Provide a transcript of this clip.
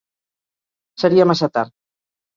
Seria massa tard.